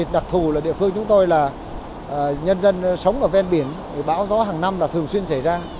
đặc thù là địa phương chúng tôi là nhân dân sống ở ven biển bão gió hàng năm là thường xuyên xảy ra